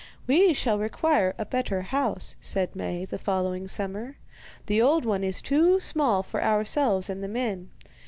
'We shall require a better house,' said Maie the following summer; 'the old one is too small for ourselves and the men.